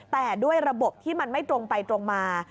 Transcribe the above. แต่ด้วยระบบที่มันไม่ตรงไปตรงมา